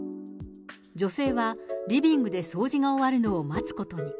女性はリビングで掃除が終わるのを待つことに。